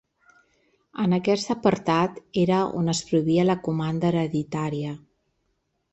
En aquest apartat era on es prohibia la comanda hereditària.